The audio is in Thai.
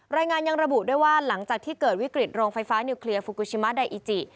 รายงานยังระบุด้วยว่าหลังจากที่เกิดวิกฤตโรงไฟฟ้านิวเคลียร์ฟูกูชิมะไดอิจิ